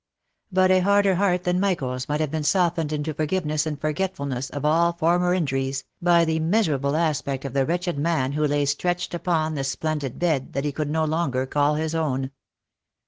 But a harder heart than Michael's might have been softened into forgiveness and forgetfulness of all former injuries, by the miserable aspect of the wretched man who lay stretched upon the splendid bed that] he could no longer call his own.